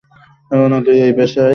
এখন তুইও এই পেশায়?